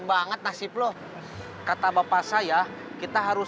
berani zelfkan jadi with diri